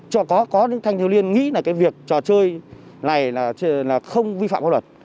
có những thanh thiếu liên nghĩ là việc trò chơi này là không vi phạm pháp luật